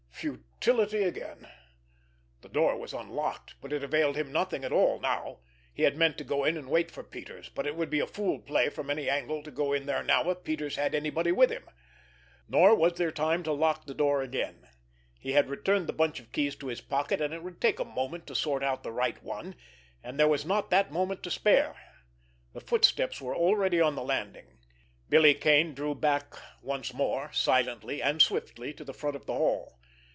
Futility again! The door was unlocked, but it availed him nothing at all now. He had meant to go in and wait for Peters, but it would be a fool play from any angle to go in there now if Peters had anybody with him. Nor was there time to lock the door again. He had returned the bunch of keys to his pocket, and it would take a moment to sort out the right one, and there was not that moment to spare. The footsteps were already on the landing. Billy Kane drew back once more silently and swiftly to the front of the hall.